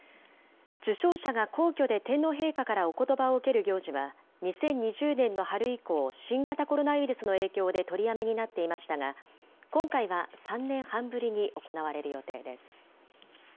受章者が皇居で天皇陛下からおことばを受ける行事は、２０２０年の春以降、新型コロナウイルスの影響で、取りやめになっていましたが、今回は３年半ぶりに行われる予定です。